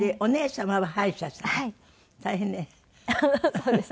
そうですね。